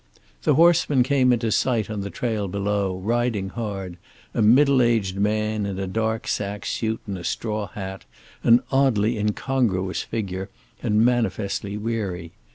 The horseman came into sight on the trail below, riding hard, a middle aged man in a dark sack suit and a straw hat, an oddly incongruous figure and manifestly weary.